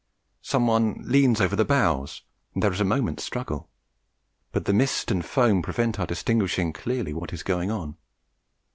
Someone leans over the bows, and there is a moment's struggle; but the mist and foam prevent our distinguishing clearly what is going on.